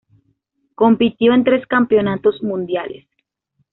Compitió en tres campeonatos mundiales.